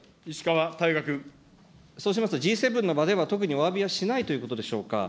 そうしますと、Ｇ７の場では特におわびはしないということでしょうか。